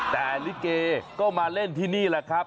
แต่ลิเกก็มาเล่นที่นี่แหละครับ